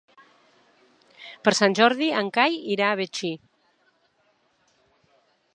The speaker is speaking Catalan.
Per Sant Jordi en Cai irà a Betxí.